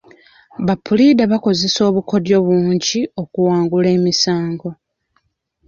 Ba puliida bakozesa obukodyo bungi okuwangula emisango.